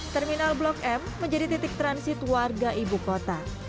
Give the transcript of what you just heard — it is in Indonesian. terminal blok m menjadi titik transit warga ibu kota